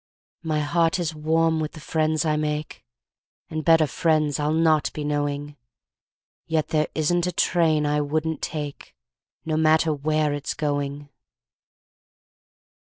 My heart is warm with the friends I make, And better friends I'll not be knowing, Yet there isn't a train I wouldn't take, No matter where it's going.